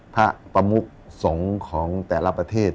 พระประมุกสงฆ์ของแต่ละประเทศ